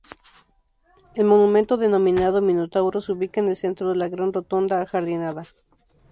El monumento denominado Minotauro se ubica en el centro de la gran rotonda ajardinada.